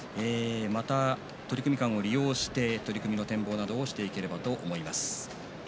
取組間を利用して取組の展望をしていければと思います。